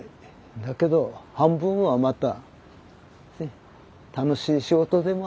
だけど半分はまたね楽しい仕事でもあるんです。